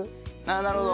なるほど。